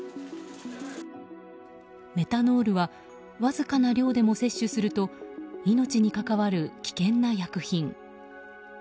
メタノールはわずかな量でも摂取すると命に関わる危険な薬品。